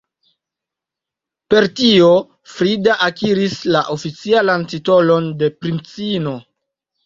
Per tio Frida akiris la oficialan titolon de princino.